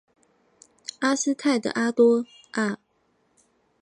卡斯泰德多阿。